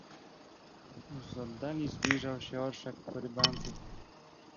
"Z oddali zbliżał się orszak korybantów."